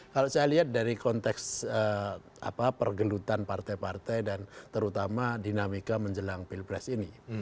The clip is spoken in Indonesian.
kalau saya lihat dari konteks pergelutan partai partai dan terutama dinamika menjelang pilpres ini